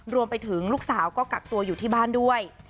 รวมไปถึงลูกสาวก็กักตัวอยู่ที่บ้านด้วย